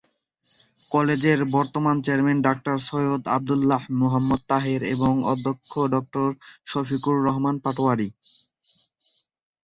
কলেজের বর্তমান chairman doctor Syed Abdullah Muhammad Taher এবং অধ্যক্ষ ডঃ শফিকুর রহমান পাটোয়ারী।